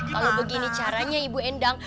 kalau begini caranya ibu endang